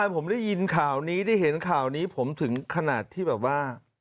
ผมได้ยินข่าวนี้ได้เห็นข่าวนี้ผมถึงขนาดที่แบบว่า